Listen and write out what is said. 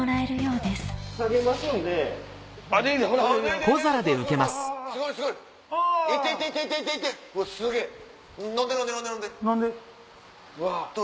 うわ。